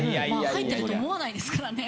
入ってると思わないですからね。